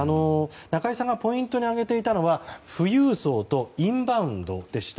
中井さんがポイントに挙げていたのは富裕層とインバウンドでした。